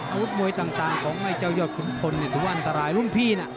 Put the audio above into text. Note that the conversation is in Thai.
อาวุธมวยต่างของไอ้เจ้ายอดขุนพลถือว่าอันตรายรุ่นพี่นะ